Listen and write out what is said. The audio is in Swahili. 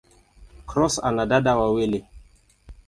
Cross ana dada wawili.